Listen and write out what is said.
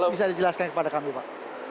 bisa dijelaskan kepada kami pak